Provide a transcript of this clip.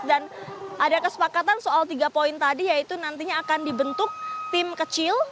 dan ada kesepakatan soal tiga poin tadi yaitu nantinya akan dibentuk tim kecil